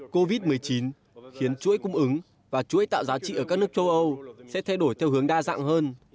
covid một mươi chín khiến chuỗi cung ứng và chuỗi tạo giá trị ở các nước châu âu sẽ thay đổi theo hướng đa dạng hơn